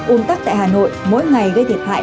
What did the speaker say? un tắc tại hà nội mỗi ngày gây thiệt hại